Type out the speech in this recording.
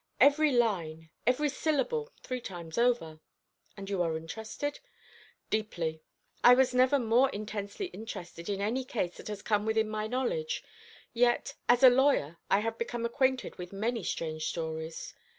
"Every line, every syllable, three times over." "And you are interested?" "Deeply. I was never more intensely interested in any case that has come within my knowledge: yet as a lawyer I have become acquainted with many strange stories.